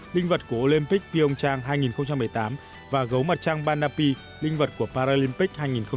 linh vật của olympic pyeongchang hai nghìn một mươi tám và gấu mặt trang banapi linh vật của paralympic hai nghìn một mươi tám